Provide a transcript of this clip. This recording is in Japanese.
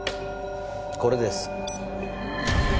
これです